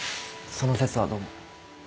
その節はどうも。